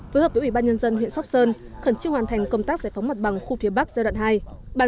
phối hợp với ủy ban nhân dân huyện sóc sơn khẩn trương hoàn thành công tác giải phóng mặt bằng khu phía bắc giai đoạn hai